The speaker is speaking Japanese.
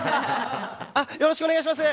よろしくお願いします。